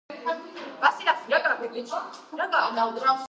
იგი კვლავ რჩება მმართველი პარტიის ხელმძღვანელად.